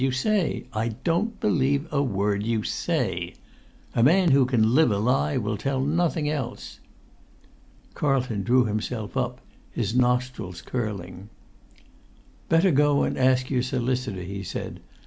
I don't believe a word you say! A man who can live a lie will tell nothing else!" Carlton drew himself up, his nostrils curling. "Better go and ask your solicitor," he said.